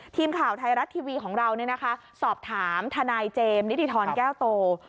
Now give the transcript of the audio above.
ทีมข่าวไทยรัฐทีวีของเราสอบถามทนายเจมส์นิติธรแก้วโต